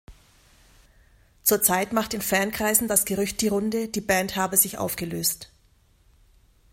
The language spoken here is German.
Zur Zeit macht in Fankreisen das Gerücht die Runde, die Band habe sich aufgelöst.